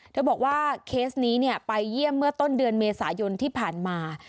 เธอบอกว่าเคสนี้ไปเยี่ยมเมื่อต้นเดือนเมษายนที่ผ่านมา